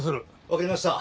わかりました。